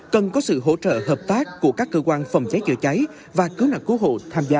cần có sự hỗ trợ hợp tác của các cơ quan phòng cháy chữa cháy và cứu nạn cứu hộ tham gia